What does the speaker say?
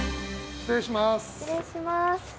失礼します。